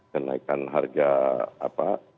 kenaikan harga apa